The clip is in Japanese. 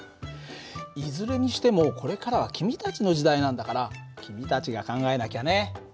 いずれにしてもこれからは君たちの時代なんだから君たちが考えなきゃね。